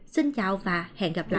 xin chào và hẹn gặp lại